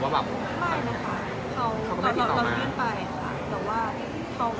ไม่นะคะเค้าทำให้เราติดต่อไปแต่ว่าไม่มีต่อมา